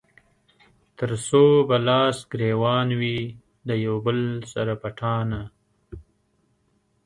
تر څو به لاس ګرېوان وي د يو بل سره پټانــه